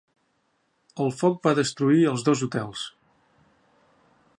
El foc va destruir els dos hotels.